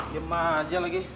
ia mah aja lagi